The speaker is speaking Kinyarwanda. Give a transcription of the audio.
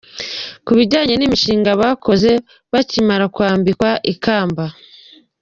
Kubijyanye n’imishinga bakoze bakimara kwambikwa akamba.